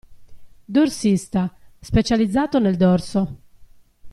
"Dorsista": Specializzato nel dorso.